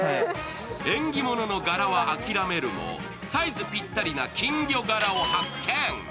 縁起物の柄は諦めるも、サイズぴったりな金魚柄を発見。